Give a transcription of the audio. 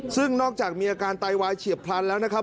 ซึ่งนอกจากมีอาการไตวายเฉียบพลันแล้วนะครับ